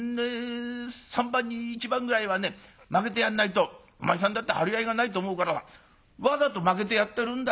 ３番に１番ぐらいはね負けてやんないとお前さんだって張り合いがないと思うからわざと負けてやってるんだよ。